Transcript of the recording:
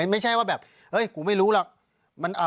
ไม่ใช่ว่าแบบเฮ้ยกูไม่รู้หรอก